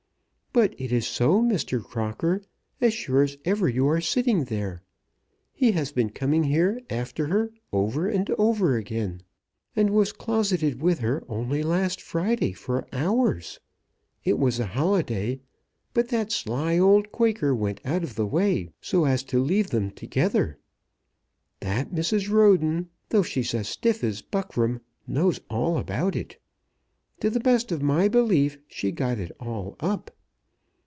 "But it is so, Mr. Crocker, as sure as ever you are sitting there. He has been coming here after her over and over again, and was closeted with her only last Friday for hours. It was a holiday, but that sly old Quaker went out of the way, so as to leave them together. That Mrs. Roden, though she's as stiff as buckram, knows all about it. To the best of my belief she got it all up.